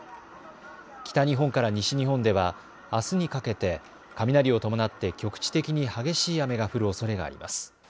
北日本から西日本ではあすにかけて雷を伴って局地的に激しい雨が降るおそれがあります。